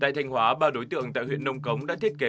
tại thanh hóa ba đối tượng tại huyện nông cống đã thiết kế